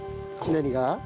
何が？